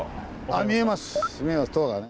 あっ見えます。